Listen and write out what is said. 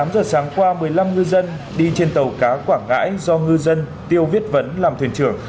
tám giờ sáng qua một mươi năm ngư dân đi trên tàu cá quảng ngãi do ngư dân tiêu viết vấn làm thuyền trưởng